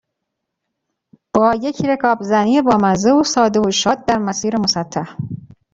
با یک رکابزنی بامزه و ساده و شاد در مسیر مسطح.